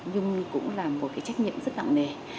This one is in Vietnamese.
nhưng cũng là một trách nhiệm rất nặng nề